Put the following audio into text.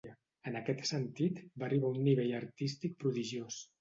En aquest sentit, va arribar a un nivell artístic prodigiós.